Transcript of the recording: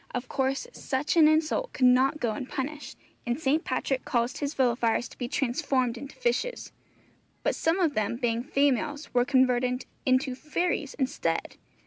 Of course such an insult could not go unpunished, and St. Patrick caused his villifiers to be transformed into fishes; but some of them being females, were converted into fairies instead.